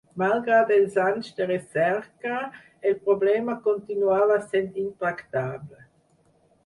Malgrat els anys de recerca, el problema continuava sent intractable.